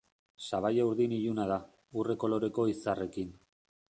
Sabaia urdin iluna da, urre koloreko izarrekin.